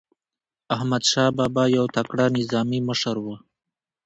احمدشاه بابا یو تکړه نظامي مشر و.